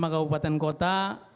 tiga puluh lima kabupaten kota